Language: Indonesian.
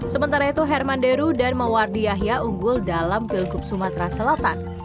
sementara itu herman deru dan mawardi yahya unggul dalam pilkup sumatera selatan